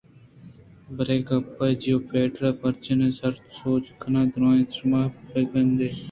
پرے گپّ ءَ جیوپیٹر ءَ پاچناناں سَر ءُ سوج کنان ءَ درّائینت شُما بد مہ بر اِت